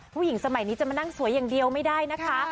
ผู้หญิงสมัยนี้จะมานั่งสวยอย่างเดียวไม่ได้นะคะ